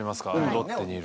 ロッテにいる。